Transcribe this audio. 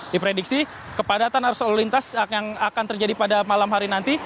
diprediksi kepadatan arus lalu lintas yang akan terjadi pada malam hari nanti